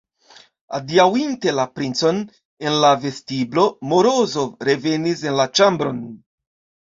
Adiaŭinte la princon en la vestiblo, Morozov revenis en la ĉambron.